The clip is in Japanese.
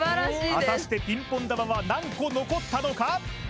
果たしてピンポン球は何個残ったのか？